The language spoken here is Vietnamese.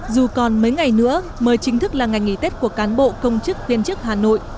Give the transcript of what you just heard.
dù còn mấy ngày nữa mời chính thức là ngày nghỉ tết của cán bộ công chức viên chức hà nội